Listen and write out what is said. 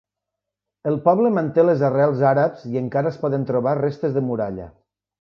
El poble manté les arrels àrabs i encara es poden trobar restes de muralla.